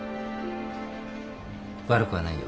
悪くはないよ。